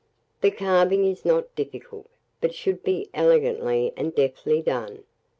The carving is not difficult, but should be elegantly and deftly done.